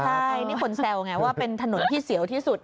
ใช่นี่คนแซวไงว่าเป็นถนนที่เสียวที่สุด